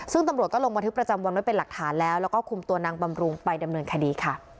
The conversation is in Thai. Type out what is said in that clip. ซึ่งตำรวจก็ลงบันทึกประจำวันไว้เป็นหลักฐานแล้วแล้วก็คุมตัวนางบำรุงไปดำเนินคดีค่ะ